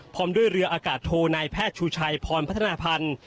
พร้อมด้วยเรืออากาศโทนายแพทย์ชูชัยพรพัฒนาพันธ์